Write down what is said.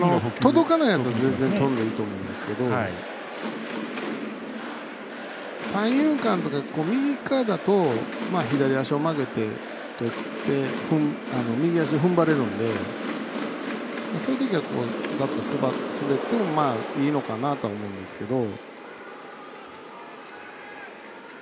届かないときにっていうのは全然いいと思うんですけど三遊間とか右側だと左足を曲げて、とって右足、踏ん張れるんでそういうときは滑ってもいいのかなと思うんですけど。